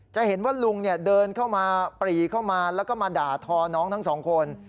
จะเห็นว่าลุงเดินเข้ามาปรีเข้ามาแล้วก็มาด่าทอน้องทั้งสองคน